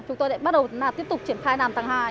chúng tôi đã bắt đầu là tiếp tục triển khai làm tầng hai